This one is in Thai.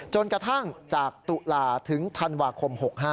จนกระทั่งจากตุลาถึงธันวาคม๖๕